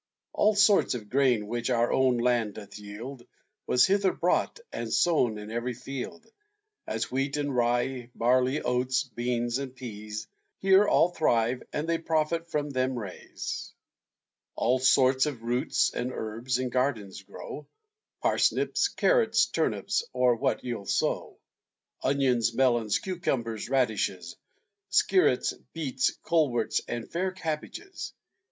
All sorts of grain which our own land doth yield, Was hither brought and sown in every field: As wheat and rye, barley, oats, beans and pease, Here all thrive, and they profit from them raise. All sorts of roots and herbs in gardens grow, Parsnips, carrots, turnips, or what you'll sow. Onions, melons, cucumbers, radishes, Skirets, beets, coleworts, and fair cabbages.